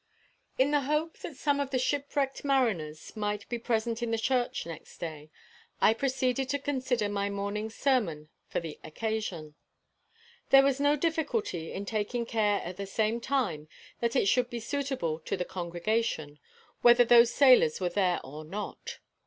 In the hope that some of the shipwrecked mariners might be present in the church the next day, I proceeded to consider my morning's sermon for the occasion. There was no difficulty in taking care at the same time that it should be suitable to the congregation, whether those sailors were there or not.